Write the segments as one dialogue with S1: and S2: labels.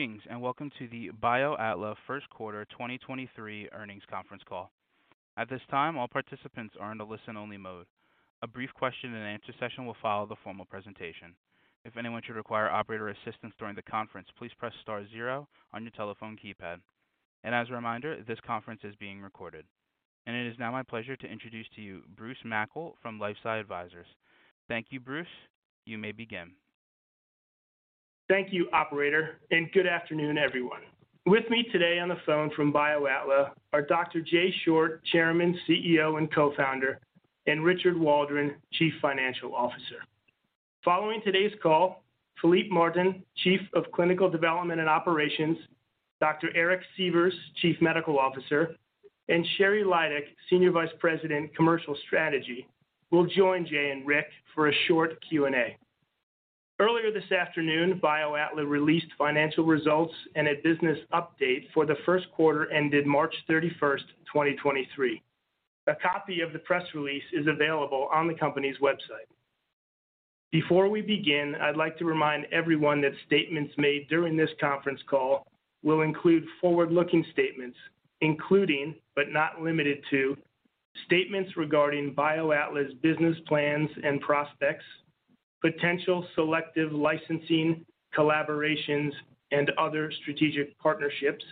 S1: Greetings, welcome to the BioAtla Q1 2023 Earnings Conference Call. At this time, all participants are in a listen-only mode. A brief question-and-answer session will follow the formal presentation. If anyone should require operator assistance during the conference, please press star zero on your telephone keypad. As a reminder, this conference is being recorded. It is now my pleasure to introduce to you Bruce Mackle from LifeSci Advisors. Thank you, Bruce. You may begin.
S2: Thank you, operator. Good afternoon, everyone. With me today on the phone from BioAtla are Dr. Jay Short, Chairman, CEO, and Co-founder, and Richard Waldron, Chief Financial Officer. Following today's call, Philippe Martin, Chief of Clinical Development and Operations, Dr. Eric Sievers, Chief Medical Officer, and Sheri Lydick, Senior Vice President, Commercial Strategy, will join Jay and Rick for a short Q&A. Earlier this afternoon, BioAtla released financial results and a business update for the Q1 ended March 31, 2023. A copy of the press release is available on the company's website. Before we begin, I'd like to remind everyone that statements made during this conference call will include forward-looking statements including, but not limited to, statements regarding BioAtla's business plans and prospects, potential selective licensing, collaborations, and other strategic partnerships,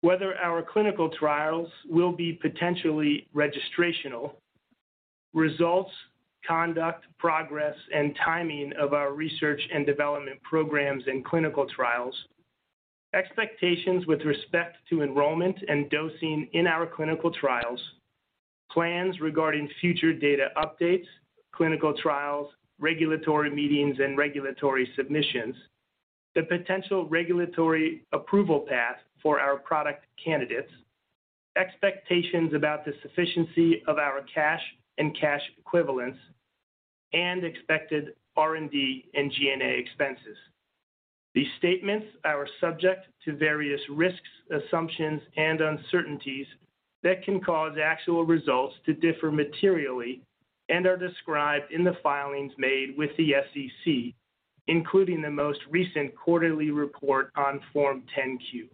S2: whether our clinical trials will be potentially registrational, results, conduct, progress, and timing of our research and development programs and clinical trials, expectations with respect to enrollment and dosing in our clinical trials, plans regarding future data updates, clinical trials, regulatory meetings, and regulatory submissions, the potential regulatory approval path for our product candidates, expectations about the sufficiency of our cash and cash equivalents, and expected R&D and G&A expenses. These statements are subject to various risks, assumptions, and uncertainties that can cause actual results to differ materially and are described in the filings made with the SEC, including the most recent quarterly report on Form 10-Q.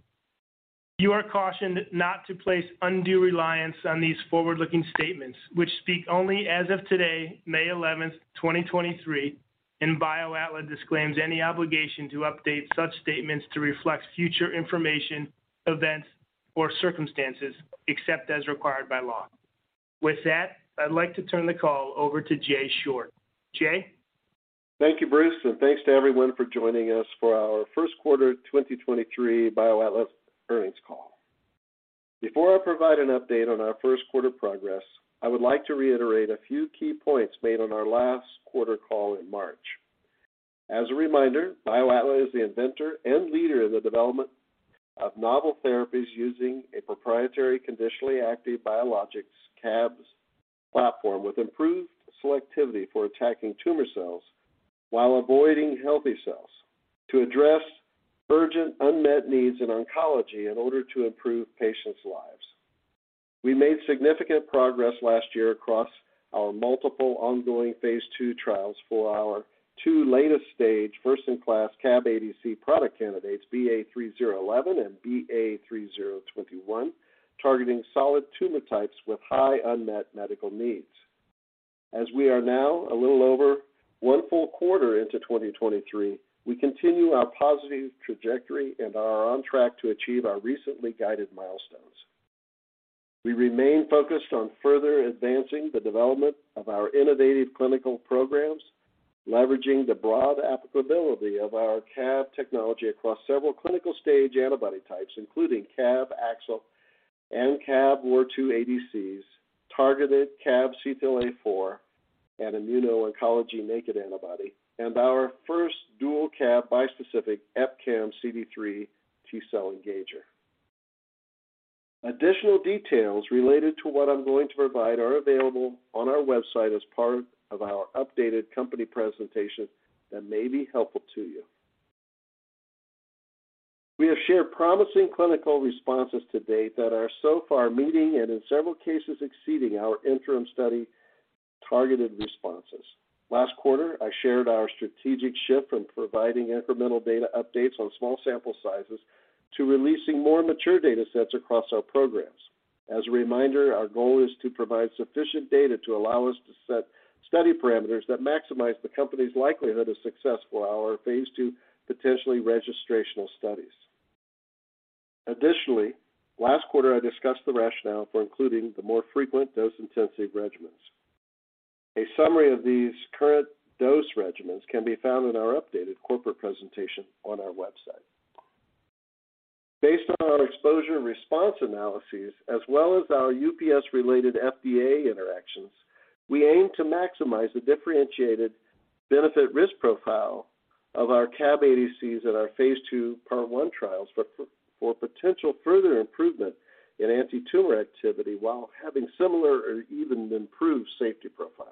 S2: You are cautioned not to place undue reliance on these forward-looking statements, which speak only as of today, May 11, 2023, and BioAtla disclaims any obligation to update such statements to reflect future information, events, or circumstances except as required by law. With that, I'd like to turn the call over to Jay Short. Jay?
S3: Thank you, Bruce, thanks to everyone for joining us for our Q1 2023 BioAtla earnings call. Before I provide an update on our first quarter progress, I would like to reiterate a few key points made on our last quarter call in March. As a reminder, BioAtla is the inventor and leader in the development of novel therapies using a proprietary Conditionally Active Biologics, CABs platform with improved selectivity for attacking tumor cells while avoiding healthy cells to address urgent unmet needs in oncology in order to improve patients' lives. We made significant progress last year across our multiple ongoing phase II trials for our two latest stage first-in-class CAB ADC product candidates, BA3011 and BA3021, targeting solid tumor types with high unmet medical needs. As we are now a little over one full quarter into 2023, we continue our positive trajectory and are on track to achieve our recently guided milestones. We remain focused on further advancing the development of our innovative clinical programs, leveraging the broad applicability of our CAB technology across several clinical stage antibody types, including CAB-AXL and CAB-ROR2 ADCs, targeted CAB-CTLA-4, an immuno-oncology naked antibody, and our first dual CAB bispecific EpCAM CD3 T cell engager. Additional details related to what I'm going to provide are available on our website as part of our updated company presentation that may be helpful to you. We have shared promising clinical responses to date that are so far meeting and in several cases exceeding our interim study targeted responses. Last quarter, I shared our strategic shift from providing incremental data updates on small sample sizes to releasing more mature data sets across our programs. As a reminder, our goal is to provide sufficient data to allow us to set study parameters that maximize the company's likelihood of success for our phase II potentially registrational studies. Additionally, last quarter, I discussed the rationale for including the more frequent dose-intensive regimens. A summary of these current dose regimens can be found in our updated corporate presentation on our website. Based on our exposure and response analyses as well as our UPS-related FDA interactions, we aim to maximize the differentiated benefit risk profile of our CAB ADCs in our phase II part one trials for potential further improvement in antitumor activity while having similar or even improved safety profiles.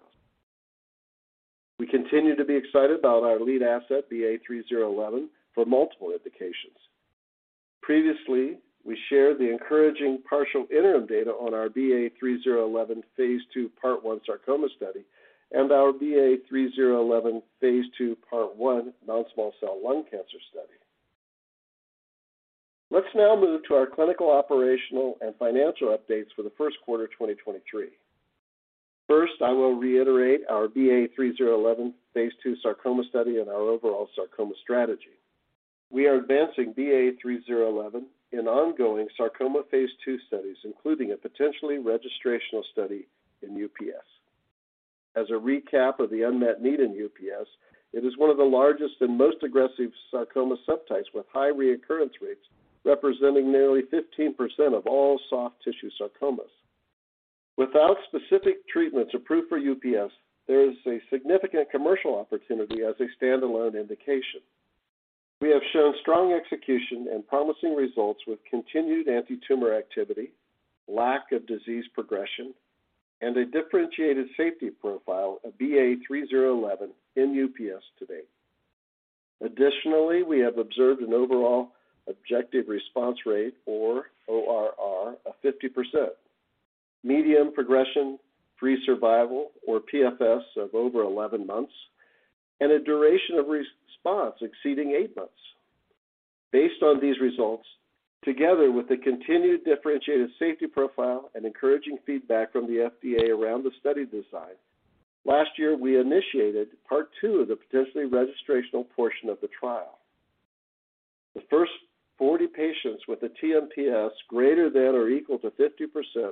S3: We continue to be excited about our lead asset, BA3011, for multiple indications. Previously, we shared the encouraging partial interim data on our BA3011 phase II part one sarcoma study and our BA3011 phase II part one non-small cell lung cancer study. Let's now move to our clinical, operational, and financial updates for the Q1 2023. I will reiterate our BA3011 phase II sarcoma study and our overall sarcoma strategy. We are advancing BA3011 in ongoing sarcoma phase II studies, including a potentially registrational study in UPS. As a recap of the unmet need in UPS, it is one of the largest and most aggressive sarcoma subtypes with high reoccurrence rates, representing nearly 15% of all soft tissue sarcomas. Without specific treatments approved for UPS, there is a significant commercial opportunity as a standalone indication. We have shown strong execution and promising results with continued antitumor activity, lack of disease progression, and a differentiated safety profile of BA3011 in UPS to date. Additionally, we have observed an overall objective response rate, or ORR, of 50%, median progression-free survival, or PFS, of over 11 months, and a duration of response exceeding eight months. Based on these results, together with the continued differentiated safety profile and encouraging feedback from the FDA around the study design, last year we initiated part two of the potentially registrational portion of the trial. The first 40 patients with a TPS greater than or equal to 50%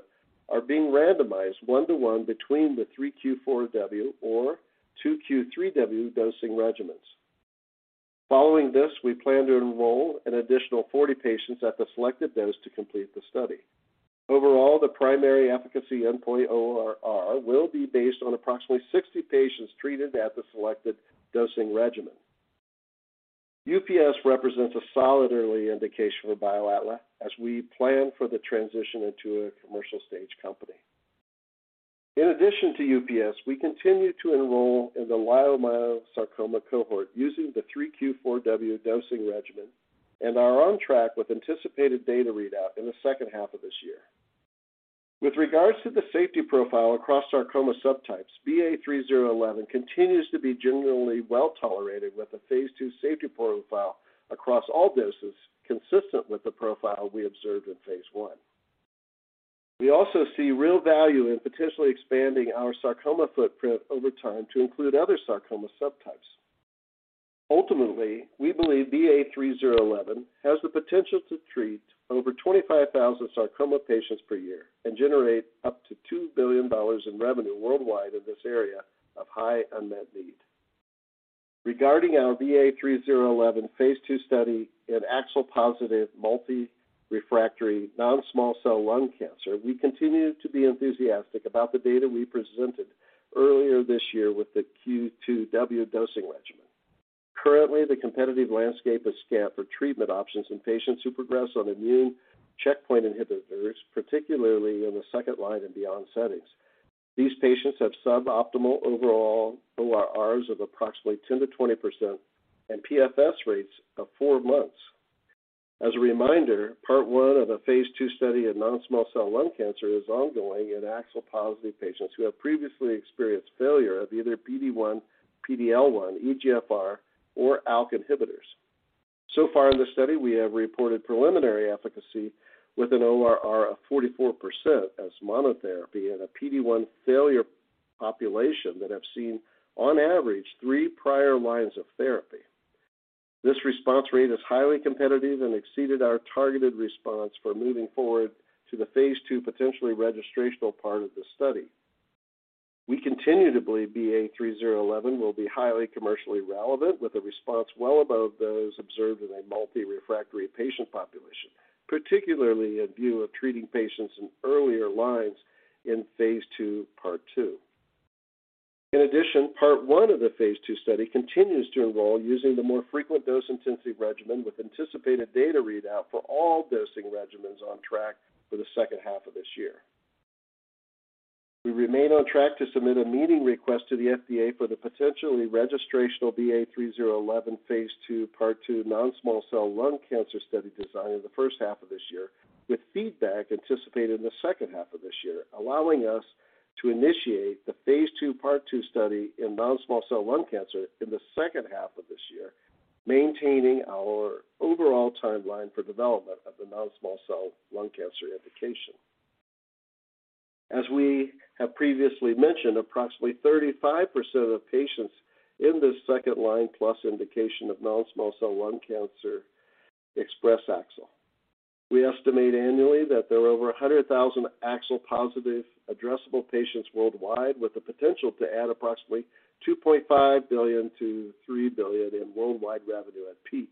S3: are being randomized one to one between the 3Q4W or 2Q3W dosing regimens. Following this, we plan to enroll an additional 40 patients at the selected dose to complete the study. Overall, the primary efficacy endpoint ORR will be based on approximately 60 patients treated at the selected dosing regimen. UPS represents a solid early indication for BioAtla as we plan for the transition into a commercial stage company. In addition to UPS, we continue to enroll in the leiomyosarcoma cohort using the 3Q4W dosing regimen and are on track with anticipated data readout in the second half of this year. With regards to the safety profile across sarcoma subtypes, BA3011 continues to be generally well-tolerated with a phase II safety profile across all doses consistent with the profile we observed in phase I. We also see real value in potentially expanding our sarcoma footprint over time to include other sarcoma subtypes. Ultimately, we believe BA3011 has the potential to treat over 25,000 sarcoma patients per year and generate up to $2 billion in revenue worldwide in this area of high unmet need. Regarding our BA3011 phase II study in AXL-positive multi-refractory non-small cell lung cancer, we continue to be enthusiastic about the data we presented earlier this year with the Q2W dosing regimen. Currently, the competitive landscape is scant for treatment options in patients who progress on immune checkpoint inhibitors, particularly in the second-line and beyond settings. These patients have suboptimal overall ORRs of approximately 10%-20% and PFS rates of four months. As a reminder, part one of the phase II study in non-small cell lung cancer is ongoing in AXL-positive patients who have previously experienced failure of either PD-1, PD-L1, EGFR, or ALK inhibitors. So far in the study, we have reported preliminary efficacy with an ORR of 44% as monotherapy in a PD-1 failure population that have seen on average three prior lines of therapy. This response rate is highly competitive and exceeded our targeted response for moving forward to the phase II potentially registrational part of the study. We continue to believe BA3011 will be highly commercially relevant with a response well above those observed in a multi-refractory patient population, particularly in view of treating patients in earlier lines in phase II part two. In addition, part one of the phase II study continues to enroll using the more frequent dose intensity regimen with anticipated data readout for all dosing regimens on track for the second half of this year. We remain on track to submit a meeting request to the FDA for the potentially registrational BA3011 phase II part two non-small cell lung cancer study design in the first half of this year with feedback anticipated in the second half of this year, allowing us to initiate the phase II part two study in non-small cell lung cancer in the second half of this year, maintaining our overall timeline for development of the non-small cell lung cancer indication. As we have previously mentioned, approximately 35% of patients in this second-line plus indication of non-small cell lung cancer express AXL. We estimate annually that there are over 100,000 AXL-positive addressable patients worldwide with the potential to add approximately $2.5 billion-$3 billion in worldwide revenue at peak.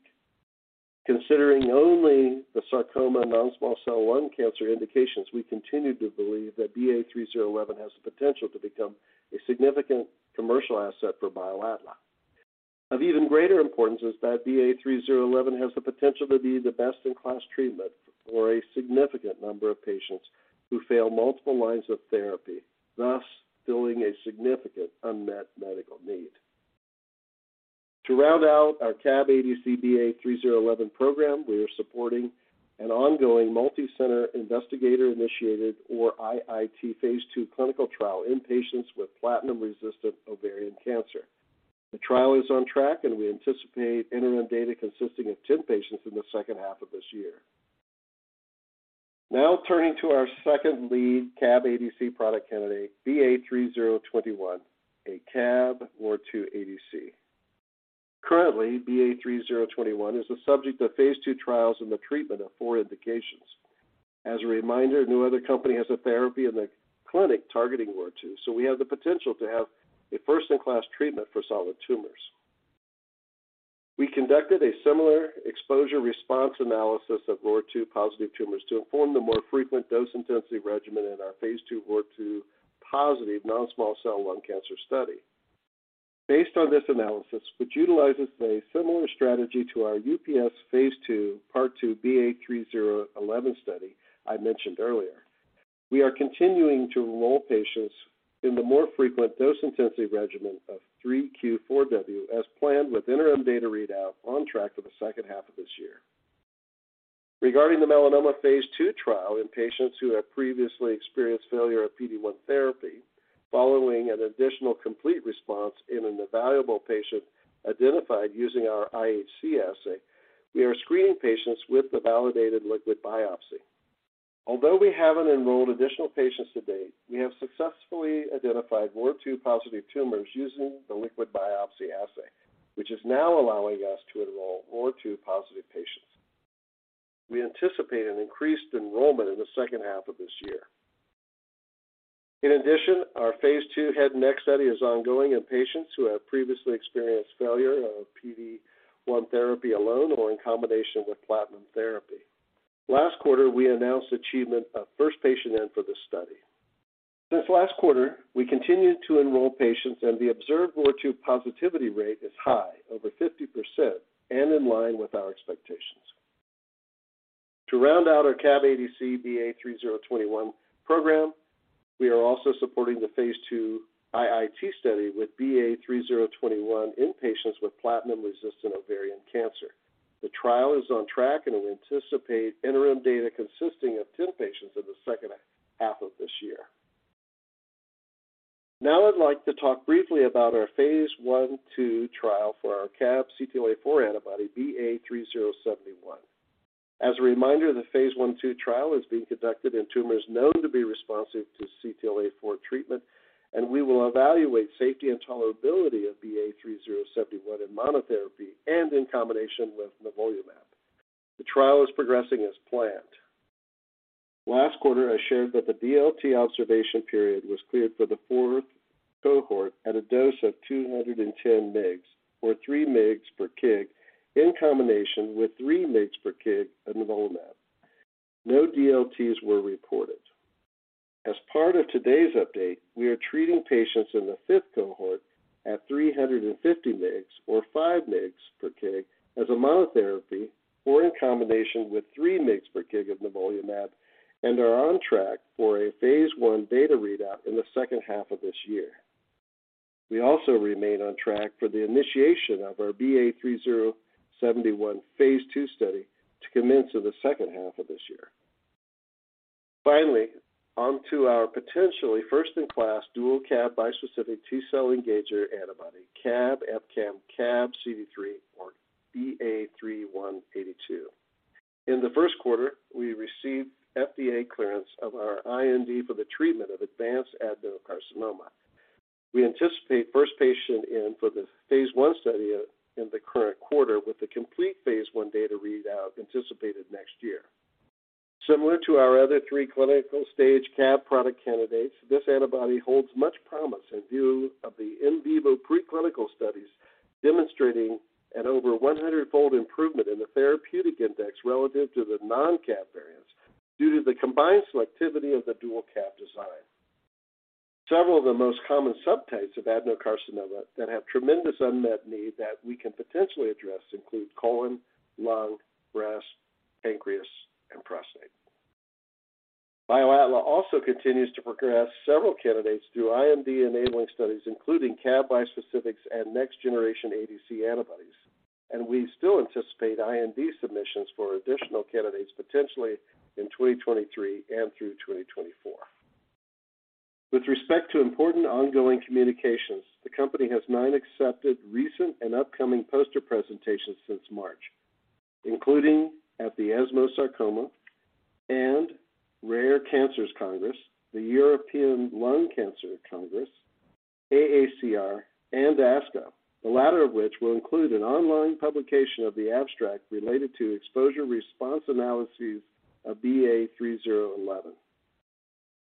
S3: Considering only the sarcoma non-small cell lung cancer indications, we continue to believe that BA3011 has the potential to become a significant commercial asset for BioAtla. Of even greater importance is that BA3011 has the potential to be the best-in-class treatment for a significant number of patients who fail multiple lines of therapy, thus filling a significant unmet medical need. To round out our CAB ADC BA3011 program, we are supporting an ongoing multicenter investigator-initiated or IIT phase II clinical trial in patients with platinum-resistant ovarian cancer. The trial is on track. We anticipate interim data consisting of 10 patients in the second half of this year. Now turning to our second lead CAB ADC product candidate, BA3021, a CAB ROR2 ADC. Currently, BA3021 is the subject of phase II trials in the treatment of four indications. As a reminder, no other company has a therapy in the clinic targeting ROR2. We have the potential to have a first-in-class treatment for solid tumors. We conducted a similar exposure response analysis of ROR2 positive tumors to inform the more frequent dose intensity regimen in our phase II ROR2 positive non-small cell lung cancer study. Based on this analysis, which utilizes a similar strategy to our UPS phase II, part two BA3011 study I mentioned earlier, we are continuing to enroll patients in the more frequent dose intensity regimen of 3Q4W as planned with interim data readout on track for the second half of this year. Regarding the melanoma phase II trial in patients who have previously experienced failure of PD-1 therapy following an additional complete response in an evaluable patient identified using our IHC assay, we are screening patients with the validated liquid biopsy. Although we haven't enrolled additional patients to date, we have successfully identified ROR2 positive tumors using the liquid biopsy assay, which is now allowing us to enroll ROR2 positive patients. We anticipate an increased enrollment in the second half of this year. In addition, our phase II head and neck study is ongoing in patients who have previously experienced failure of PD-1 therapy alone or in combination with platinum therapy. Last quarter, we announced achievement of first patient in for this study. Since last quarter, we continued to enroll patients, and the observed ROR2 positivity rate is high, over 50%, and in line with our expectations. To round out our CAB ADC BA3021 program, we are also supporting the phase II IIT study with BA3021 in patients with platinum-resistant ovarian cancer. The trial is on track, and we anticipate interim data consisting of 10 patients in the second half of this year. I'd like to talk briefly about our phase I/II trial for our CAB CTLA-4 antibody, BA3071. As a reminder, the phase I/II trial is being conducted in tumors known to be responsive to CTLA-4 treatment, and we will evaluate safety and tolerability of BA3071 in monotherapy and in combination with nivolumab. The trial is progressing as planned. Last quarter, I shared that the DLT observation period was cleared for the fourth cohort at a dose of 210 mgs, or 3 mgs per kg, in combination with 3 mgs per kg of nivolumab. No DLTs were reported. As part of today's update, we are treating patients in the fifth cohort at 350 mgs, or 5 mgs per kg, as a monotherapy or in combination with 3 mgs per kg of nivolumab, and are on track for a phase I data readout in the second half of this year. We also remain on track for the initiation of our BA3071 phase II study to commence in the second half of this year. Finally, on to our potentially first-in-class dual CAB bispecific T-cell engager antibody, CAB EpCAM CAB CD3, or BA3182. In the Q1, we received FDA clearance of our IND for the treatment of advanced adenocarcinoma. We anticipate first patient in for the phase I study in the current quarter with the complete phase I data readout anticipated next year. Similar to our other three clinical-stage CAB product candidates, this antibody holds much promise in view of the in vivo preclinical studies demonstrating an over 100-fold improvement in the therapeutic index relative to the non-CAB variants due to the combined selectivity of the dual CAB design. Several of the most common subtypes of adenocarcinoma that have tremendous unmet need that we can potentially address include colon, lung, breast, pancreas, and prostate. BioAtla also continues to progress several candidates through IND-enabling studies, including CAB bispecifics and next generation ADC antibodies. We still anticipate IND submissions for additional candidates potentially in 2023 and through 2024. With respect to important ongoing communications, the company has nine accepted recent and upcoming poster presentations since March, including at the ESMO Sarcoma and Rare Cancers Congress, the European Lung Cancer Congress, AACR, and ASCO, the latter of which will include an online publication of the abstract related to exposure response analyses of BA.3011.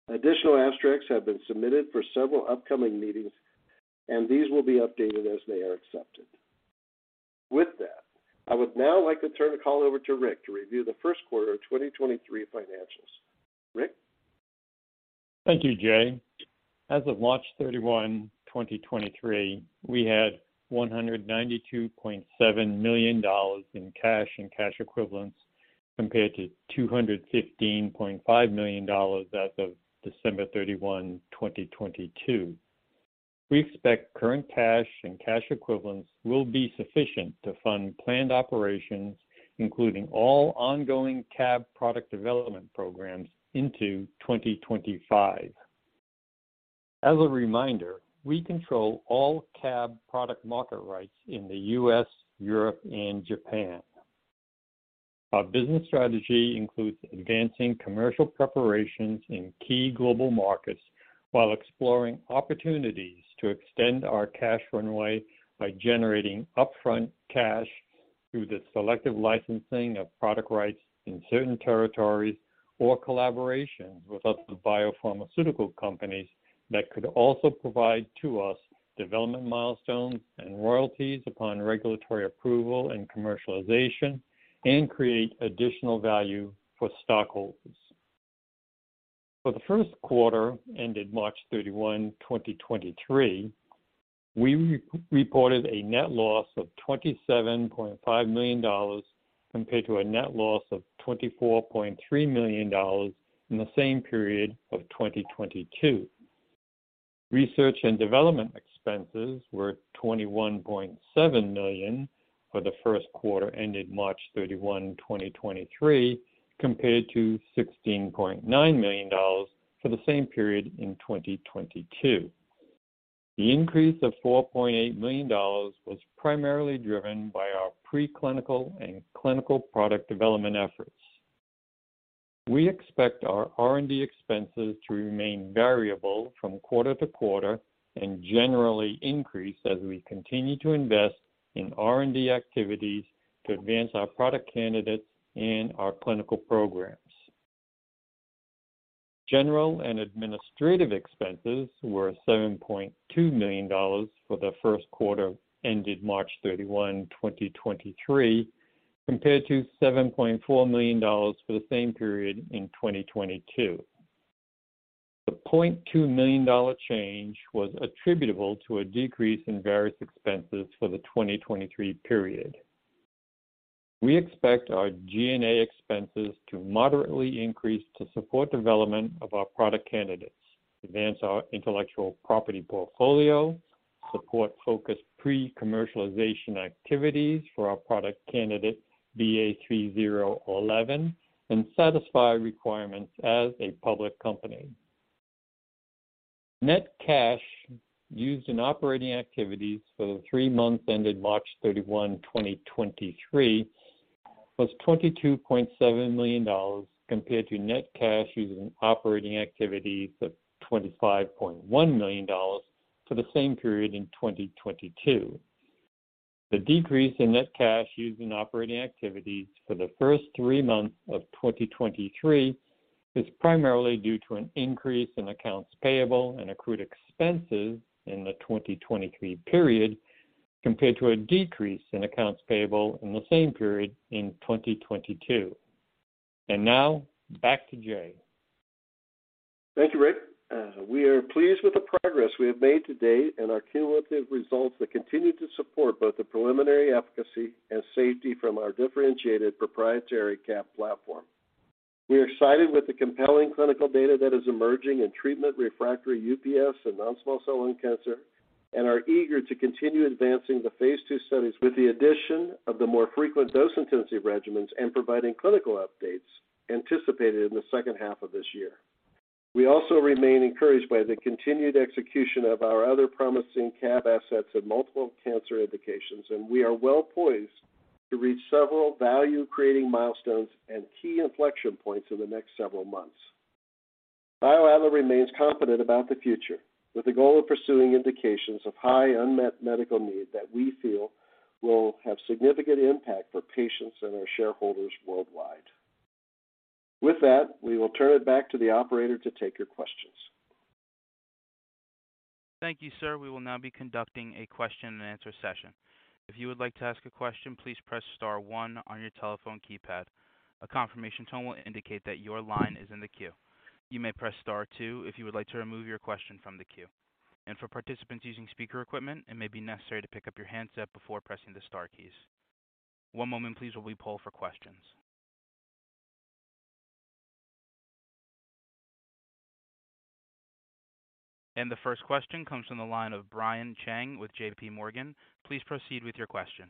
S3: Additional abstracts have been submitted for several upcoming meetings, and these will be updated as they are accepted. With that, I would now like to turn the call over to Rick to review the Q1 of 2023 financials. Rick?
S4: Thank you, Jay. As of March 31, 2023, we had $192.7 million in cash and cash equivalents. Compared to $215.5 million as of December 31, 2022. We expect current cash and cash equivalents will be sufficient to fund planned operations, including all ongoing CAB product development programs into 2025. As a reminder, we control all CAB product market rights in the U.S., Europe and Japan. Our business strategy includes advancing commercial preparations in key global markets while exploring opportunities to extend our cash runway by generating upfront cash through the selective licensing of product rights in certain territories or collaborations with other biopharmaceutical companies that could also provide to us development milestones and royalties upon regulatory approval and commercialization and create additional value for stockholders. For the Q1 ended March 31, 2023, we re-reported a net loss of $27.5 million compared to a net loss of $24.3 million in the same period of 2022. Research and development expenses were $21.7 million for the Q1 ended March 31, 2023, compared to $16.9 million for the same period in 2022. The increase of $4.8 million was primarily driven by our preclinical and clinical product development efforts. We expect our R&D expenses to remain variable from quarter-to-quarter and generally increase as we continue to invest in R&D activities to advance our product candidates and our clinical programs. General and administrative expenses were $7.2 million for the Q1 ended March 31, 2023, compared to $7.4 million for the same period in 2022. The $0.2 million change was attributable to a decrease in various expenses for the 2023 period. We expect our G&A expenses to moderately increase to support development of our product candidates, advance our intellectual property portfolio, support focused pre-commercialization activities for our product candidate BA3011, and satisfy requirements as a public company. Net cash used in operating activities for the three months ended March 31, 2023, was $22.7 million, compared to net cash used in operating activities of $25.1 million for the same period in 2022. The decrease in net cash used in operating activities for the first three months of 2023 is primarily due to an increase in accounts payable and accrued expenses in the 2023 period, compared to a decrease in accounts payable in the same period in 2022. Now back to Jay.
S3: Thank you, Rick. We are pleased with the progress we have made to date and our cumulative results that continue to support both the preliminary efficacy and safety from our differentiated proprietary CAB platform. We are excited with the compelling clinical data that is emerging in treatment refractory UPS and non-small cell lung cancer, are eager to continue advancing the phase II studies with the addition of the more frequent dose intensity regimens and providing clinical updates anticipated in the second half of this year. We also remain encouraged by the continued execution of our other promising CAB assets in multiple cancer indications, we are well poised to reach several value creating milestones and key inflection points in the next several months. BioAtla remains confident about the future with the goal of pursuing indications of high unmet medical need that we feel will have significant impact for patients and our shareholders worldwide. With that, we will turn it back to the operator to take your questions.
S1: Thank you, sir. We will now be conducting a question and answer session. If you would like to ask a question, please press star one on your telephone keypad. A confirmation tone will indicate that your line is in the queue. You may press star two if you would like to remove your question from the queue. For participants using speaker equipment, it may be necessary to pick up your handset before pressing the star keys. One moment please while we poll for questions. The first question comes from the line of Brian Cheng with JPMorgan. Please proceed with your question.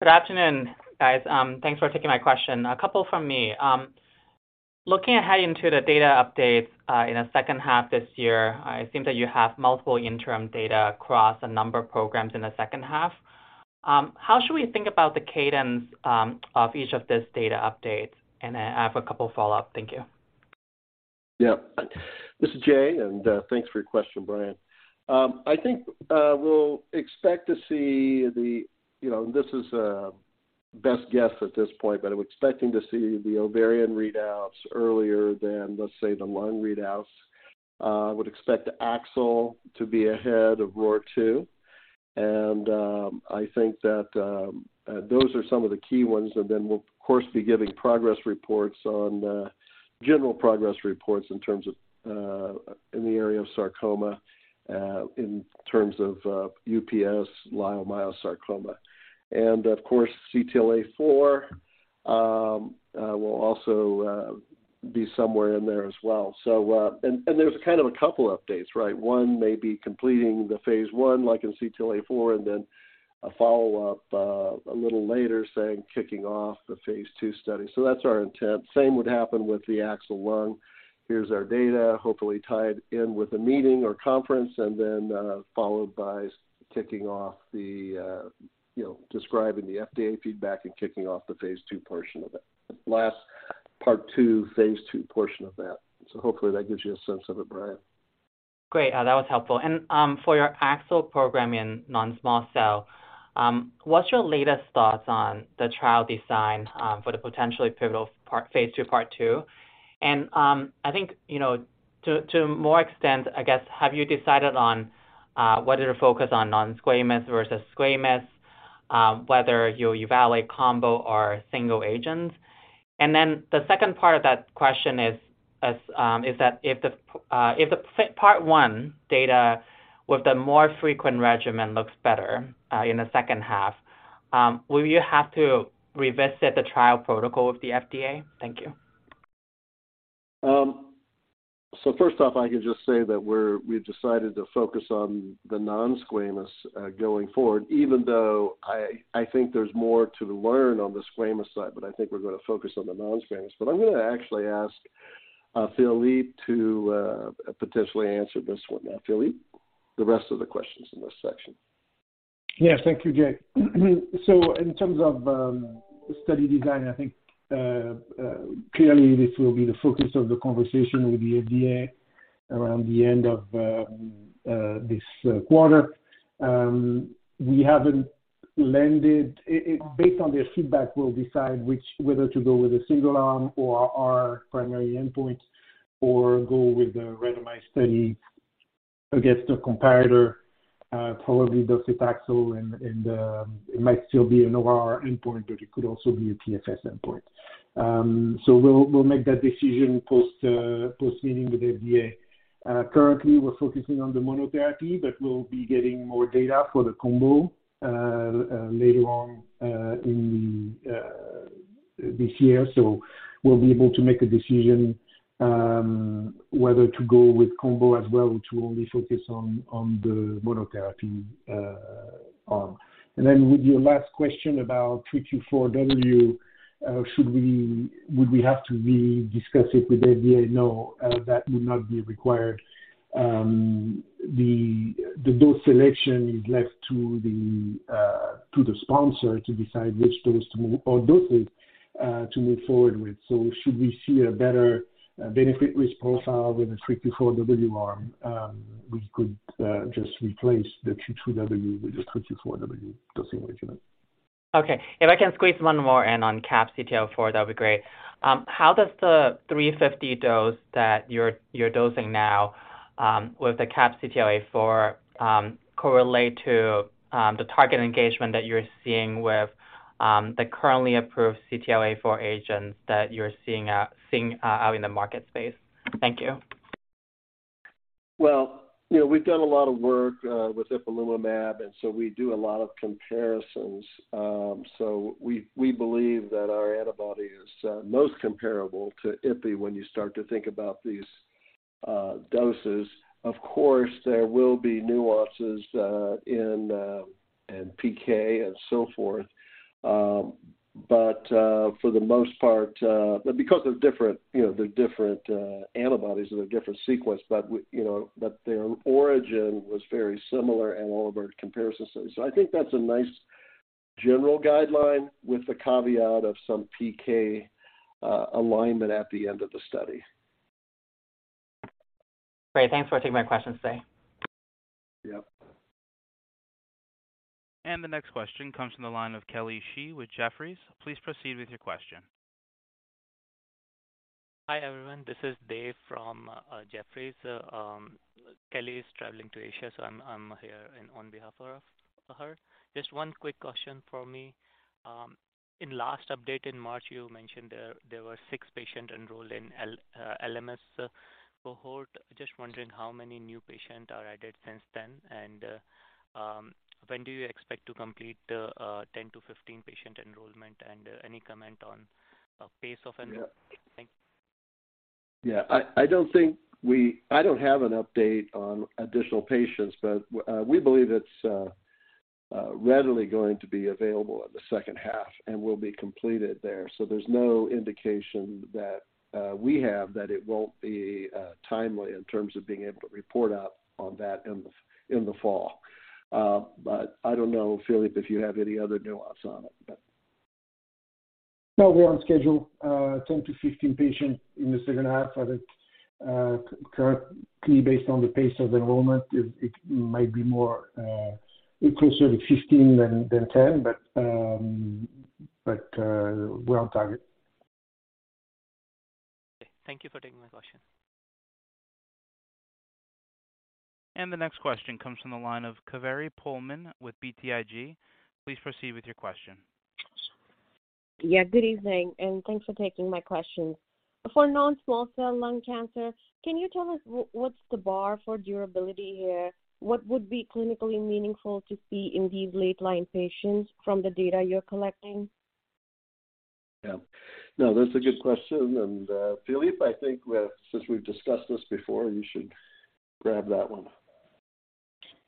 S5: Good afternoon, guys. Thanks for taking my question. A couple from me. Looking ahead into the data updates in the second half this year, it seems that you have multiple interim data across a number of programs in the second half. How should we think about the cadence of each of these data updates? I have a couple follow-up. Thank you.
S3: Yeah. This is Jay, thanks for your question, Brian. I think we'll expect to see the. You know, this is a best guess at this point, but I'm expecting to see the ovarian readouts earlier than, let's say, the lung readouts. I would expect AXL to be ahead of ROR2. I think that those are some of the key ones. We'll of course, be giving progress reports on general progress reports in terms of in the area of sarcoma, in terms of UPS, leiomyosarcoma. Of course, CTLA-4 will also be somewhere in there as well. There's kind of a couple updates, right? One may be completing the phase I, like in CTLA-4, and then a follow-up a little later saying kicking off the phase II study. That's our intent. Same would happen with the AXL lung. Here's our data, hopefully tied in with a meeting or conference, followed by kicking off the, you know, describing the FDA feedback and kicking off the phase II portion of it. Last part two, phase II portion of that. Hopefully that gives you a sense of it, Brian.
S5: Great. That was helpful. For your AXL program in non-small cell, what's your latest thoughts on the trial design for the potentially pivotal phase II, part two? I think, you know, to more extent, I guess, have you decided on whether to focus on non-squamous versus squamous, whether you'll evaluate combo or single agents? The second part of that question is that if the part one data with the more frequent regimen looks better in the second half, will you have to revisit the trial protocol with the FDA? Thank you.
S3: First off, I can just say that we've decided to focus on the non-squamous, going forward, even though I think there's more to learn on the squamous side, but I think we're gonna focus on the non-squamous. I'm gonna actually ask, Philippe to, potentially answer this one. Philippe, the rest of the questions in this section.
S6: Yeah. Thank you, Jay. In terms of study design, I think clearly this will be the focus of the conversation with the FDA around the end of this quarter. We haven't landed. Based on their feedback, we'll decide whether to go with a single arm or R primary endpoint or go with a randomized study against a comparator, probably docetaxel and, it might still be an OR endpoint, but it could also be a PFS endpoint. We'll make that decision post post-meeting with FDA. Currently, we're focusing on the monotherapy, but we'll be getting more data for the combo later on in this year. We'll be able to make a decision whether to go with combo as well, which will only focus on the monotherapy arm. With your last question about 3Q4W, would we have to re-discuss it with FDA? No, that would not be required. The dose selection is left to the sponsor to decide which dose or doses to move forward with. Should we see a better benefit risk profile with the 3Q4W arm, we could just replace the 2Q2W with the 3Q4W dosing regimen.
S5: Okay. If I can squeeze one more in on CAB-CTLA-4, that would be great. How does the 350 dose that you're dosing now, with the CAB-CTLA-4, correlate to the target engagement that you're seeing with the currently approved CTLA-4 agents that you're seeing out in the market space? Thank you.
S3: Well, you know, we've done a lot of work with ipilimumab. We do a lot of comparisons. We believe that our antibody is most comparable to Ipi when you start to think about these doses. Of course, there will be nuances in PK and so forth. Because they're different, you know, they're different antibodies, and they're different sequence, but we, you know, but their origin was very similar in all of our comparison studies. I think that's a nice general guideline with the caveat of some PK alignment at the end of the study.
S5: Great. Thanks for taking my questions today.
S3: Yep.
S1: The next question comes from the line of Kelly Shi with Jefferies. Please proceed with your question.
S7: Hi, everyone. This is David from Jefferies. Kelly is traveling to Asia, I'm here in on behalf of her. Just one quick question for me. In last update in March, you mentioned there were six patient enrolled in LMS cohort. Just wondering how many new patient are added since then? When do you expect to complete 10-15 patient enrollment? Any comment on pace of enrollment? Thank you.
S3: Yeah. I don't have an update on additional patients, but we believe it's readily going to be available in the second half and will be completed there. There's no indication that we have that it won't be timely in terms of being able to report out on that in the fall. I don't know, Philippe, if you have any other nuance on it, but.
S6: No, we're on schedule. 10 to 15 patients in the second half. I think, currently based on the pace of enrollment, it might be more closer to 15 than 10. We're on target.
S7: Okay. Thank you for taking my question.
S1: The next question comes from the line of Kaveri Pohlman with BTIG. Please proceed with your question.
S8: Yeah, good evening, and thanks for taking my questions. For non-small cell lung cancer, can you tell us what's the bar for durability here? What would be clinically meaningful to see in these late line patients from the data you're collecting?
S3: Yeah. No, that's a good question. Philippe, I think, since we've discussed this before, you should grab that one.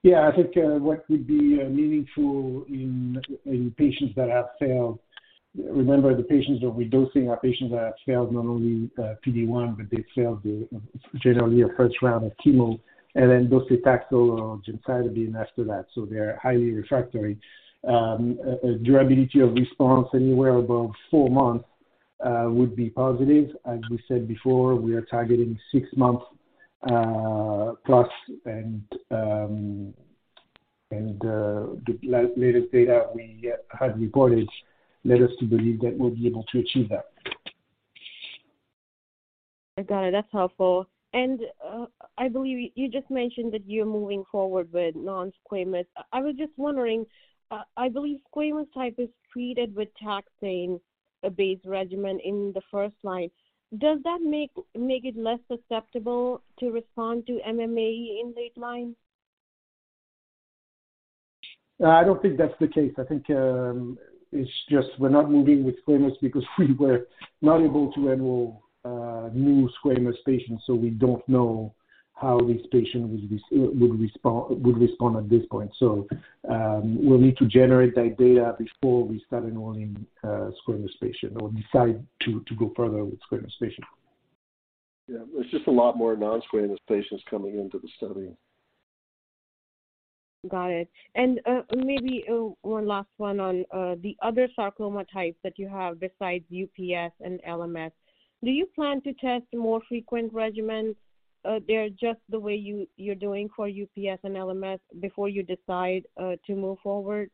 S6: Yeah. I think what would be meaningful in patients that have failed. Remember, the patients that we're dosing are patients that have failed not only PD-1, but they've failed generally a first round of chemo and then docetaxel or gemcitabine after that. They're highly refractory. Durability of response anywhere above four months would be positive. As we said before, we are targeting six months plus, and the latest data we have reported led us to believe that we'll be able to achieve that.
S8: I got it. That's helpful. I believe you just mentioned that you're moving forward with non-squamous. I was just wondering, I believe squamous type is treated with taxane-based regimen in the first line. Does that make it less susceptible to respond to MMAE in late line?
S6: I don't think that's the case. I think, it's just we're not moving with squamous because we were not able to enroll, new squamous patients, so we don't know how these patients would respond at this point. We'll need to generate that data before we start enrolling, squamous patients or decide to go further with squamous patients.
S3: Yeah. There's just a lot more non-squamous patients coming into the study.
S8: Got it. Maybe, one last one on the other sarcoma types that you have besides UPS and LMS. Do you plan to test more frequent regimens, there just the way you're doing for UPS and LMS before you decide to move forward?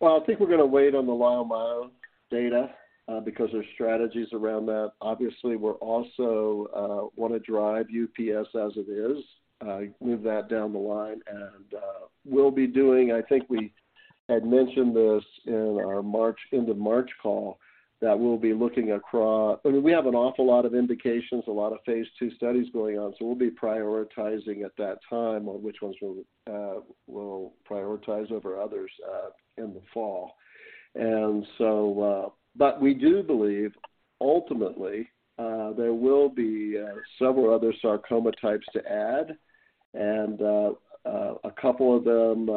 S3: Well, I think we're gonna wait on the leiomyo data, because there's strategies around that. Obviously, we're also, wanna drive UPS as it is, move that down the line and, we'll be doing. I mean, we have an awful lot of indications, a lot of phase II studies going on, so we'll be prioritizing at that time on which ones we'll prioritize over others, in the fall. But we do believe ultimately, there will be, several other sarcoma types to add and, a couple of them,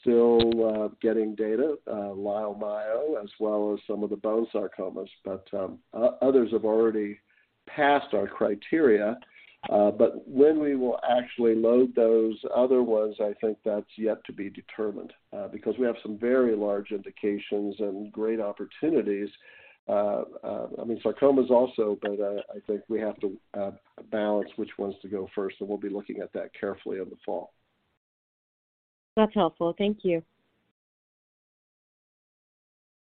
S3: still, getting data, leiomyo as well as some of the bone sarcomas. Others have already passed our criteria. When we will actually load those other ones, I think that's yet to be determined. We have some very large indications and great opportunities. I mean sarcomas also, I think we have to balance which ones to go first. We'll be looking at that carefully in the fall.
S8: That's helpful. Thank you.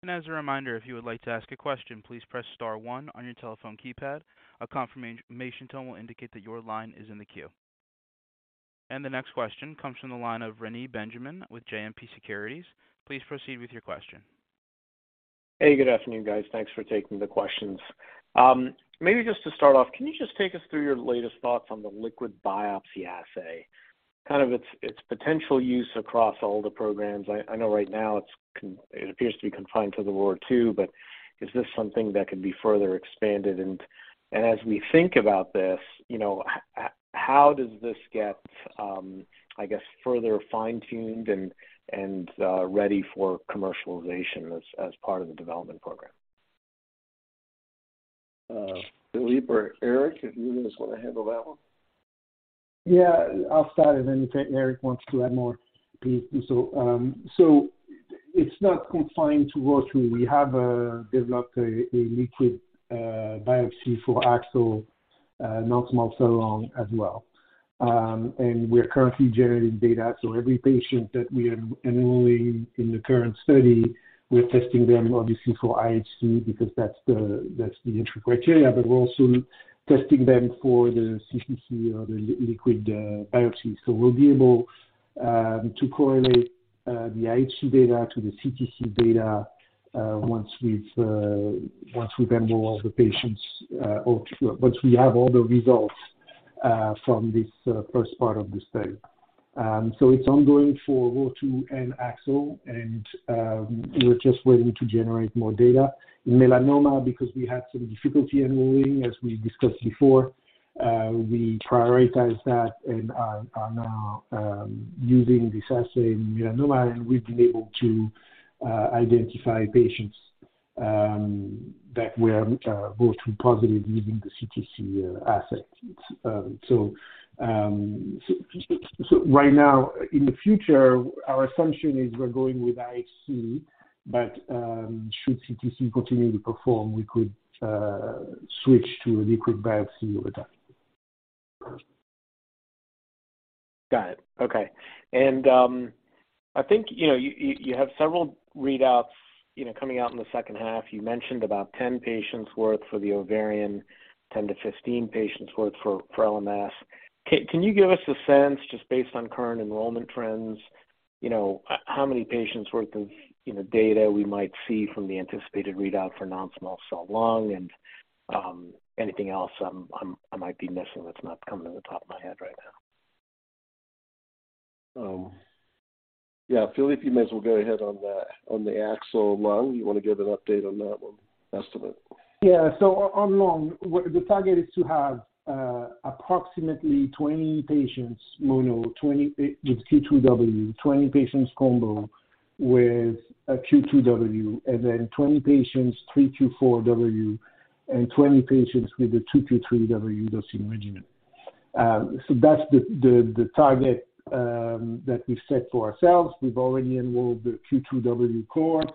S1: As a reminder, if you would like to ask a question, please press star one on your telephone keypad. A confirmation tone will indicate that your line is in the queue. The next question comes from the line of Reni Benjamin with JMP Securities. Please proceed with your question.
S9: Hey, good afternoon, guys. Thanks for taking the questions. Maybe just to start off, can you just take us through your latest thoughts on the liquid biopsy assay, kind of its potential use across all the programs? I know right now it appears to be confined to the ROR2, but is this something that could be further expanded? As we think about this, you know, how does this get, I guess, further fine-tuned and ready for commercialization as part of the development program?
S3: Philippe or Eric, if you guys wanna handle that one?
S6: Yeah. I'll start it, and if Eric wants to add more, please do so. It's not confined to ROR2. We have developed a liquid biopsy for AXL non-small cell lung as well. And we're currently generating data. Every patient that we are enrolling in the current study, we're testing them obviously for IHC because that's the entry criteria. But we're also testing them for the CTC or the liquid biopsy. We'll be able to correlate the IHC data to the CTC data once we've enrolled the patients or once we have all the results from this first part of the study. It's ongoing for ROR2 and AXL, and we're just waiting to generate more data. In melanoma, because we had some difficulty enrolling as we discussed before, we prioritized that and are now using this assay in melanoma, and we've been able to identify patients that were ROR2 positive using the CTC assay. Right now, in the future, our assumption is we're going with IHC, but should CTC continue to perform, we could switch to a liquid biopsy over time.
S9: Got it. Okay. I think, you know, you, you have several readouts, you know, coming out in the second half. You mentioned about 10 patients worth for the ovarian, 10-15 patients worth for LMS. Can you give us a sense just based on current enrollment trends? You know, how many patients worth of, you know, data we might see from the anticipated readout for non-small cell lung and anything else I'm, I might be missing that's not coming to the top of my head right now.
S3: Yeah, Philippe, you may as well go ahead on the AXL lung. You wanna give an update on that one, estimate?
S6: Yeah. On lung, the target is to have approximately 20 patients mono, 20 with 2Q2W, 20 patients combo with a 2Q2W, and then 20 patients, 3Q4W, and 20 patients with the 2Q3W dosing regimen. That's the target that we've set for ourselves. We've already enrolled the 2Q2W cohorts.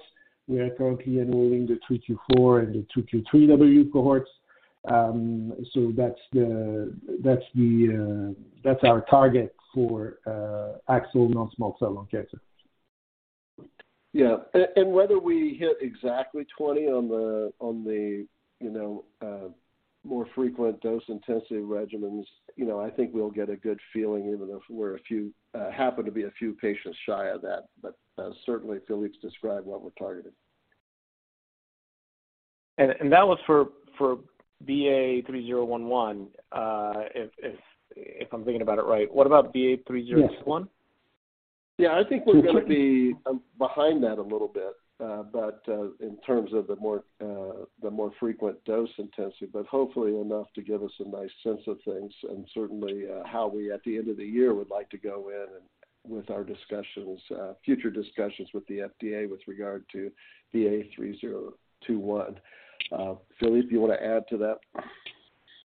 S6: We are currently enrolling the 3Q4W and the 2Q3W cohorts. That's the that's our target for AXL non-small cell lung cancer.
S3: Yeah. Whether we hit exactly 20 on the, you know, more frequent dose-intensive regimens, you know, I think we'll get a good feeling even if we're a few, happen to be a few patients shy of that. Certainly Philippe's described what we're targeting.
S9: That was for BA3011, if I'm thinking about it right. What about BA3021?
S3: I think we're gonna be behind that a little bit, but in terms of the more the more frequent dose intensity, but hopefully enough to give us a nice sense of things and certainly how we at the end of the year would like to go in and with our discussions, future discussions with the FDA with regard to BA3021. Philippe, you wanna add to that?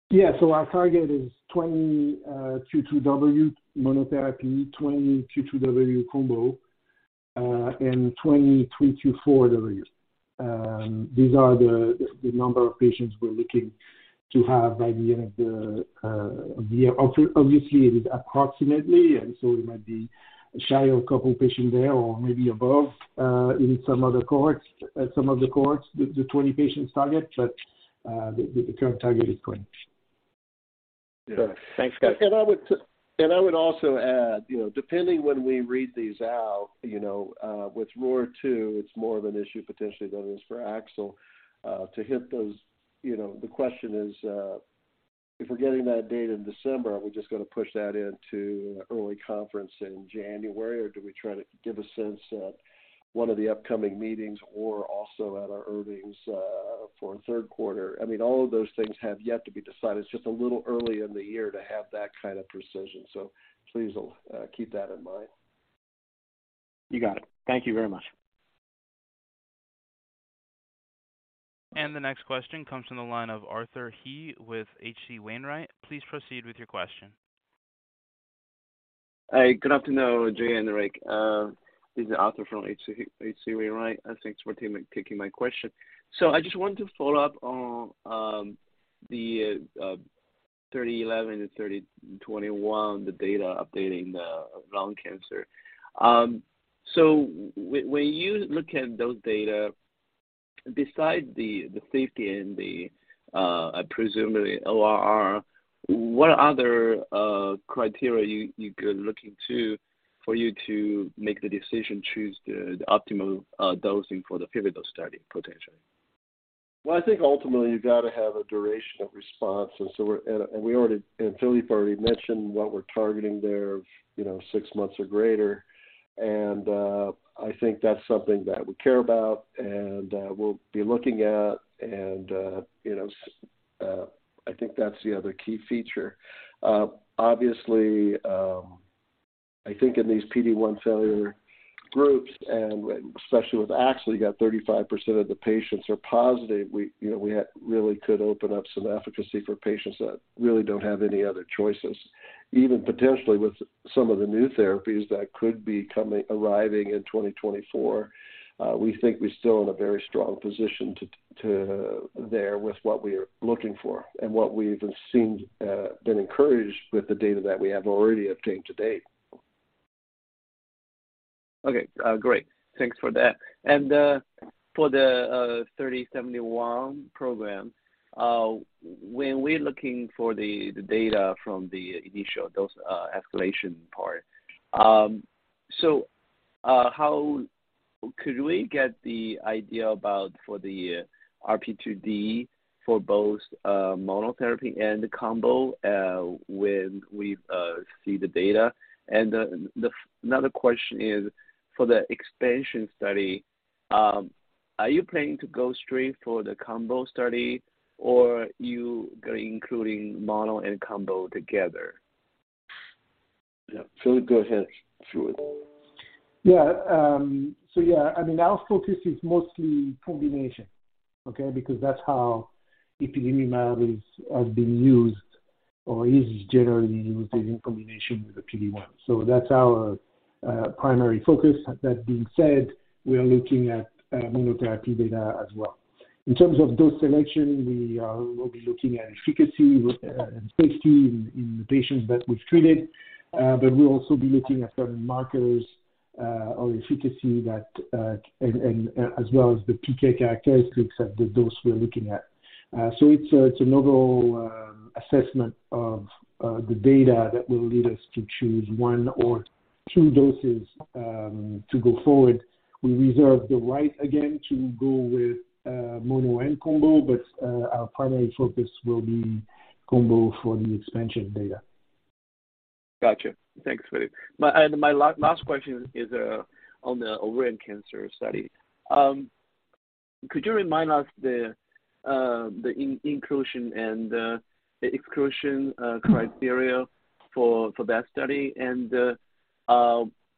S6: Yeah. Our target is 20 2Q2W monotherapy, 20 2Q2W combo, and 20 3Q4W. These are the number of patients we're looking to have by the end of the year. Obviously it is approximately, we might be shy of a couple patients there or maybe above in some of the cohorts. Some of the cohorts, the 20 patients target, the current target is 20.
S3: Yeah.
S9: Thanks, guys.
S3: I would also add, you know, with ROR2 it's more of an issue potentially than it is for AXL, to hit those, you know. The question is, if we're getting that data in December, are we just gonna push that into early conference in January? Do we try to give a sense at one of the upcoming meetings or also at our earnings, for the Q3? I mean, all of those things have yet to be decided. It's just a little early in the year to have that kind of precision. Please, keep that in mind.
S9: You got it. Thank you very much.
S1: The next question comes from the line of Arthur He with H.C. Wainwright. Please proceed with your question.
S10: Hi, good afternoon, Jay and Rick. This is Arthur from H.C. Wainwright. Thanks for taking my question. I just want to follow up on the BA3011 and BA3021, the data updating the lung cancer. When you look at those data, besides the safety and the presumably ORR, what other criteria you could looking to for you to make the decision choose the optimal dosing for the pivotal study potentially?
S3: Well, I think ultimately you've got to have a duration of response. Philippe already mentioned what we're targeting there, you know, six months or greater. I think that's something that we care about and we'll be looking at. you know, I think that's the other key feature. Obviously, I think in these PD-1 failure groups, and especially with AXL, you got 35% of the patients are positive. We, you know, really could open up some efficacy for patients that really don't have any other choices. Even potentially with some of the new therapies that could be coming, arriving in 2024, we think we're still in a very strong position to there with what we are looking for and what we've seen, been encouraged with the data that we have already obtained to date.
S10: Okay. Great. Thanks for that. For the 3071 program, when we're looking for the data from the initial dose escalation part, how could we get the idea about for the RP2D for both monotherapy and the combo, when we see the data? Another question is for the expansion study, are you planning to go straight for the combo study or you going including mono and combo together?
S3: Yeah. Philippe, go ahead. Philippe.
S6: I mean, our focus is mostly combination, okay? Because that's how ipilimumab is, has been used or is generally used in combination with the PD-1. That's our primary focus. That being said, we are looking at monotherapy data as well. In terms of dose selection, we'll be looking at efficacy and safety in the patients that we've treated. We'll also be looking at certain markers or efficacy that and as well as the PK characteristics of the dose we are looking at. It's an overall assessment of the data that will lead us to choose one or two doses to go forward. We reserve the right again to go with mono and combo, our primary focus will be combo for the expansion data.
S10: Gotcha. Thanks, Philippe. My last question is on the ovarian cancer study. Could you remind us the inclusion and the exclusion criteria for that study?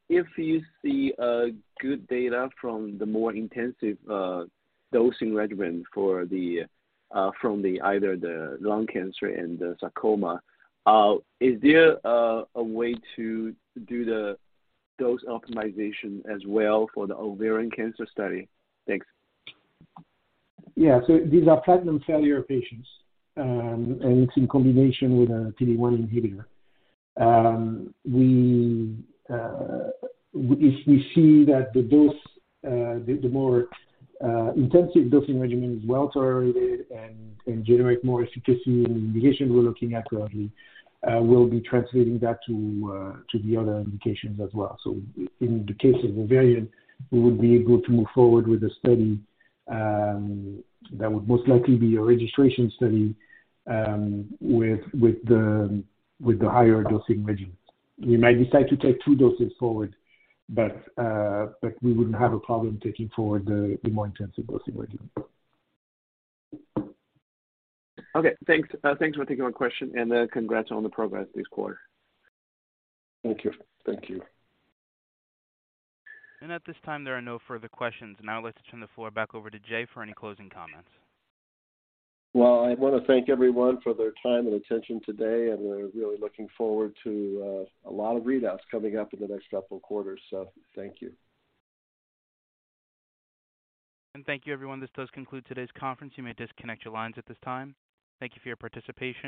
S10: If you see good data from the more intensive dosing regimen from the either the lung cancer and the sarcoma, is there a way to do the dose optimization as well for the ovarian cancer study? Thanks.
S6: These are platinum failure patients, and it's in combination with a PD-1 inhibitor. If we see that the dose, the more intensive dosing regimen is well-tolerated and generate more efficacy in the indication we're looking at currently, we'll be translating that to the other indications as well. In the case of ovarian, we would be able to move forward with a study that would most likely be a registration study with the higher dosing regimen. We might decide to take two doses forward, but we wouldn't have a problem taking forward the more intensive dosing regimen.
S10: Okay, thanks. thanks for taking my question, and congrats on the progress this quarter.
S6: Thank you.
S3: Thank you.
S1: At this time, there are no further questions. Now let's turn the floor back over to Jay for any closing comments.
S3: I want to thank everyone for their time and attention today, we're really looking forward to a lot of readouts coming up in the next couple quarters. Thank you.
S1: Thank you everyone. This does conclude today's conference. You may disconnect your lines at this time. Thank you for your participation.